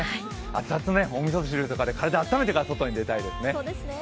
熱々のおみそ汁とかで体温めてから外に出たいですね。